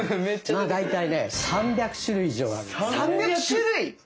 まあ大体ね３００種類以上ある。